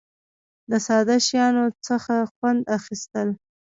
د ساده شیانو څخه خوند اخیستل.